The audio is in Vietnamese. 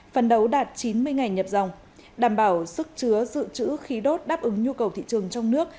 phần đấu đạt chín mươi ngày nhập dòng đảm bảo sức chứa dự trữ khí đốt đáp ứng nhu cầu thị trường trong nước